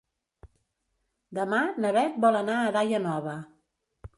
Demà na Beth vol anar a Daia Nova.